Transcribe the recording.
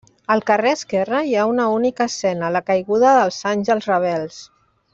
Al carrer esquerre hi ha una única escena, la Caiguda dels àngels rebels.